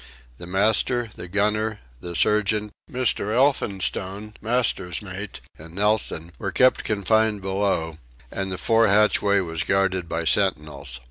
The master, the gunner, the surgeon, Mr. Elphinstone, master's mate, and Nelson, were kept confined below; and the fore hatchway was guarded by sentinels.